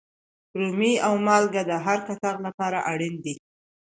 رومي او مالگه د هر کتغ لپاره اړین دي.